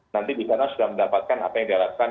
nanti di sana sudah mendapatkan apa yang diharapkan